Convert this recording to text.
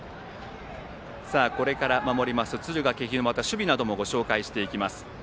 これから守ります敦賀気比の守備などもご紹介します。